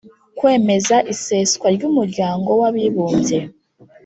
Kwemeza iseswa ry umuryango wabibumbye